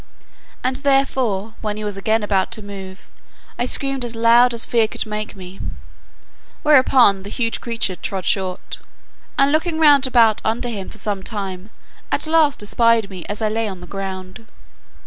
And therefore, when he was again about to move, I screamed as loud as fear could make me: whereupon the huge creature trod short, and, looking round about under him for some time, at last espied me as I lay on the ground.